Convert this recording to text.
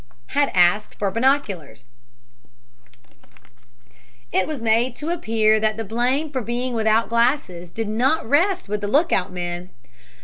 HAD ASKED FOR BINOCULARS It was made to appear that the blame for being without glasses did not rest with the lookout men.